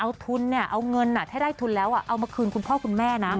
เอาทุนเนี่ยเอาเงินถ้าได้ทุนแล้วเอามาคืนคุณพ่อคุณแม่นะ